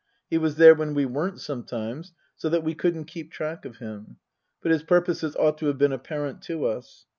He was there when we weren't sometimes, so that we couldn't keep track of him. But his purposes ought to have been apparent to us.